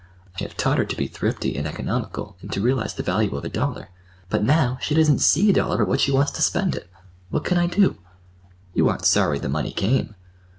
I have taught her to be thrifty and economical, and to realize the value of a dollar. But now—she doesn't see a dollar but what she wants to spend it. What can I do?" "You aren't sorry—the money came?"